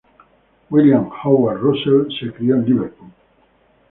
William Howard Russell se crio en Liverpool.